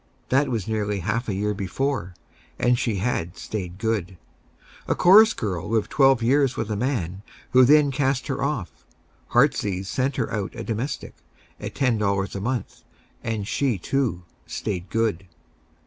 That was nearly half a year before, and she had "stayed good." A chorus girl lived twelve years with a man, who then cast her off. Heartsease sent her out a domestic, at ten dollars a month, and she, too, "stayed good."